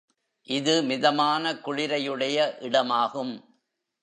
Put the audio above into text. இது மிதமான குளிரையுடைய இடமாகும்.